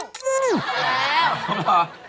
ครบเหรอ